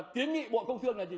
tiến nghị bộ công thương là gì